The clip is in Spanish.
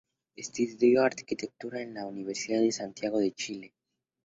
Estudió arquitectura en la Universidad de Santiago de Chile.